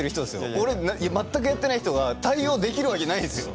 俺全くやってない人が対応できるわけないんですよ。